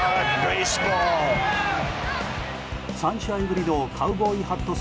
３試合ぶりのカウボーイハット